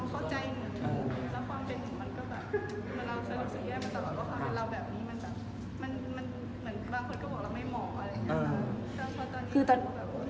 บางคนก็บอกเราไม่เหมาะ